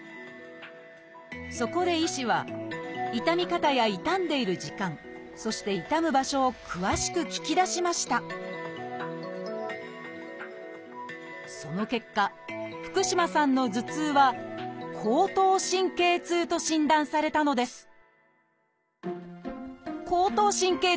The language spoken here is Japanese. そこで医師は痛み方や痛んでいる時間そして痛む場所を詳しく聞き出しましたその結果福嶋さんの頭痛は「後頭神経痛」と診断されたのです